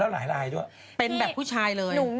แล้วต่อกันแล้วก็เป็นแบบผู้ชายเลย